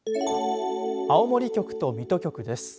青森局と水戸局です。